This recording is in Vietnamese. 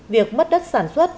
việc mất đất sản xuất